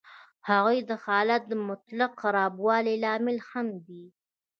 هغوی د حالت د مطلق خرابوالي لامل هم دي